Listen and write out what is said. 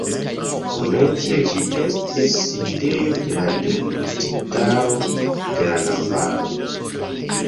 Komence ĝi estis sidejo de la Deputitaro de Navaro.